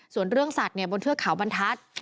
ส่วนเรื่องสัตว์บนเทือกเขาบรรทัศน์